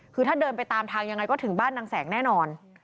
คือถ้าเดินไปตามทางยังไงก็ถึงบ้านนางแสงแน่นอน